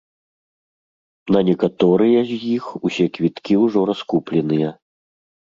На некаторыя з іх усе квіткі ўжо раскупленыя.